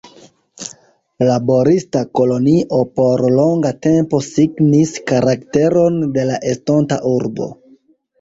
Laborista kolonio por longa tempo signis karakteron de la estonta urbo.